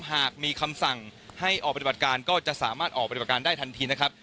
หากมีคำสั่งให้ออกปฏิบัติการก็จะสามารถออกปฏิบัติการได้ทันทีนะครับ